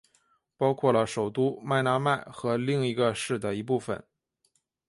包括了首都麦纳麦和另一个市的一部份。